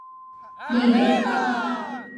リーグ